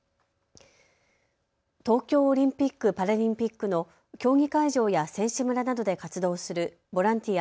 東京オリンピック・パラリンピックの競技会場や選手村などで活動するボランティア